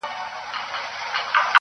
شعار خو نه لرم له باده سره شپې نه كوم~